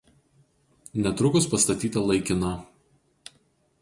Netrukus pastatyta laikina.